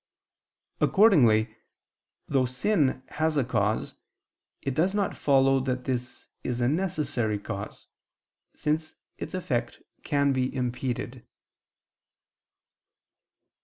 Accordingly, though sin has a cause, it does not follow that this is a necessary cause, since its effect can be impeded.